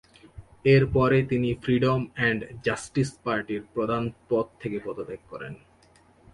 এই পরে তিনি ফ্রিডম অ্যান্ড জাস্টিস পার্টির প্রধান পদ থেকে পদত্যাগ করেন।